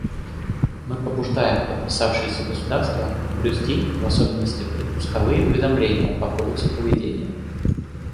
Мы побуждаем подписавшиеся государства блюсти, в особенности, предпусковые уведомления по Кодексу поведения.